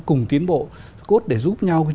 cùng tiến bộ cốt để giúp nhau